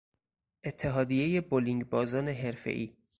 اتحادیهی بولینگبازان حرفهای